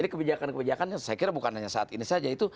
kebijakan kebijakan yang saya kira bukan hanya saat ini saja